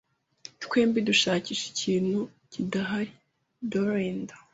Twembi dushakisha ikintu kidahari. (Dorenda)